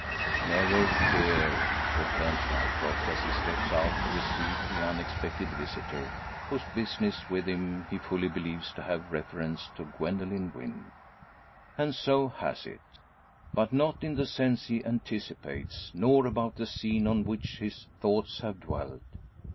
"Never fear!" returns Ryecroft, as he steps out to receive the unexpected visitor, whose business with him he fully believes to have reference to Gwendoline Wynn. And so has it. But not in the sense he anticipates, nor about the scene on which his thoughts have dwelt.